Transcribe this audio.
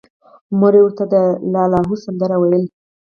مور یې ورته د اللاهو سندره ویله